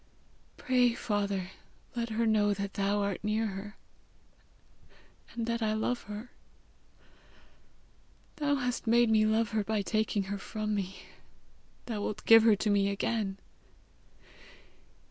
Pray, Father, let her know that thou art near her, and that I love her. Thou hast made me love her by taking her from me: thou wilt give her to me again!